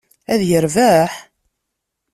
Ad yerbeḥ?